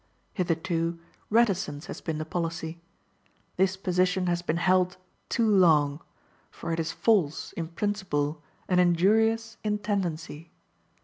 Hitherto reticence has been the policy. This position has been held too long, for it is false in principle and injurious in tendency.